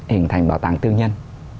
hình thành bảo tàng tư nhân